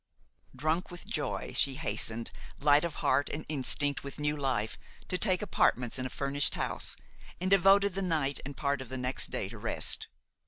Drunk with joy, she hastened, light of heart and instinct with new life, to take apartments in a furnished house, and devoted the night and part of the next day to rest.